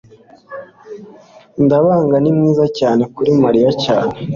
ndabaga ni mwiza cyane kuri mariya cyane